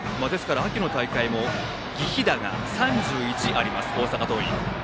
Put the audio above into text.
秋の大会も犠飛打が３１あります大阪桐蔭。